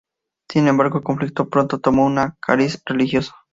Sin embargo el conflicto pronto tomó un cariz religioso.